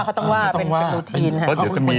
เขาต้องว่าเขาต้องว่าเป็นรูทีน